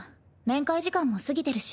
面会時間も過ぎてるし。